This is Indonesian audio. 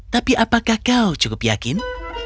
tapi apakah kau cukup yakin